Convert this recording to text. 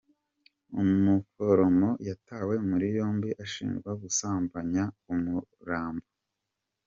Umuforomo yatawe muri yombi ashinjwa gusambanya umurambo